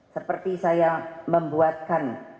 seperti saya membuatkan